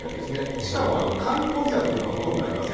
しかも観光ビザっていうのはほとんどありません。